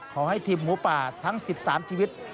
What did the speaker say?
ขอให้ทีมหมูป่าทั้ง๑๓ชีวิต